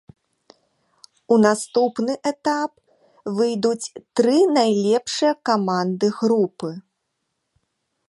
У наступны этап выйдуць тры найлепшыя каманды групы.